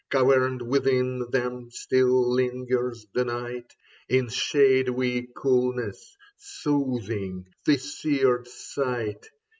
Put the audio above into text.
Caverned within them, still lingers the night In shadowy coolness, soothing the seared sight.